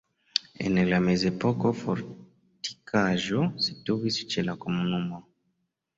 En la mezepoko fortikaĵo situis ĉe la komunumo.